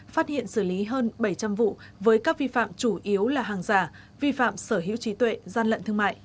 phát hiện xử lý hơn bảy trăm linh vụ với các vi phạm chủ yếu là hàng giả vi phạm sở hữu trí tuệ gian lận thương mại